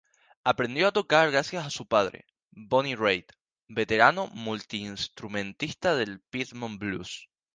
Aprendió a tocar gracias a su padre, Boone Reid, veterano multiinstrumentista del Piedmont blues.